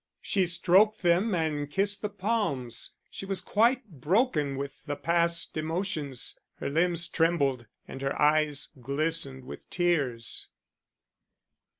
She stroked them and kissed the palms. She was quite broken with the past emotions; her limbs trembled and her eyes glistened with tears.